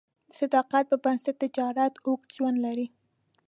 د صداقت پر بنسټ تجارت اوږد ژوند لري.